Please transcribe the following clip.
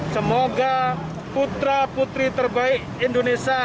semoga putra putri terbaik indonesia